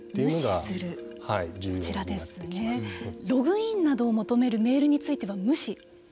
ログインなどを求めるメールについては無視。